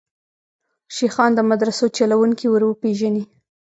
شیخان د مدرسو چلوونکي وروپېژني.